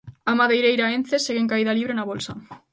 A madeireira Ence segue en caída libre na bolsa.